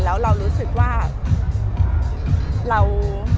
แล้วเรารู้สึกว่าเรา